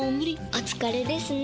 お疲れですね。